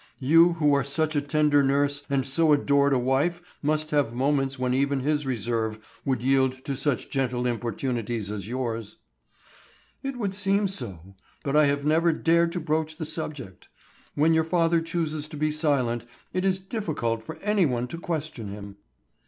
You who are such a tender nurse and so adored a wife must have moments when even his reserve would yield to such gentle importunities as yours." "It would seem so, but I have never dared to broach the subject. When your father chooses to be silent, it is difficult for any one to question him."